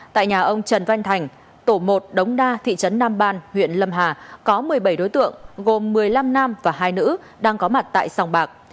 tại nhà ông trần văn thành tổ một đống đa thị trấn nam ban huyện lâm hà có một mươi bảy đối tượng gồm một mươi năm nam và hai nữ đang có mặt tại sòng bạc